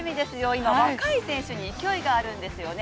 今、若い選手に勢いがあるんですよね。